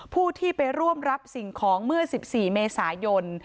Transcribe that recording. ผู้ที่ไปร่วมรับสิ่งของเมื่อ๑๔เมษายน